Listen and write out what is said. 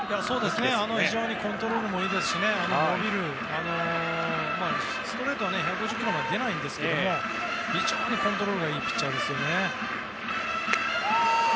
非常にコントロールもいいですしストレートは１５０キロは出ないんですけど非常にコントロールがいいピッチャーですよね。